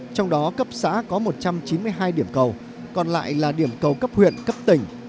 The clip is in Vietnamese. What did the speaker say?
trong đó cấp xã có một trăm chín mươi hai điểm cầu còn lại là điểm cầu cấp huyện cấp tỉnh